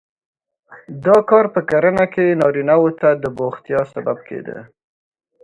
دا کار په کرنه کې نارینه وو د بوختیا سبب کېده.